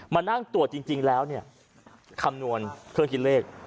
มานั่งตรวจจริงแล้วเนี่ยคำนวณเพื่อคิดเลข